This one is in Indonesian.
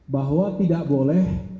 bahwa tidak boleh